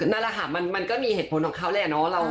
นั่นแหละค่ะมันก็มีเหตุผลของเขาแหละเนาะ